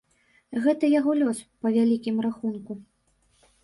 Гэта яго лёс, па вялікім рахунку.